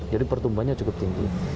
jadi pertumbuhannya cukup tinggi